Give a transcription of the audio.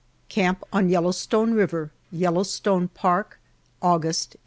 CAMP ON YELLOWSTONE RIVER, YELLOWSTONE PARK, August, 1884.